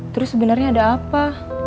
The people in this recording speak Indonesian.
terus sebenernya ada apa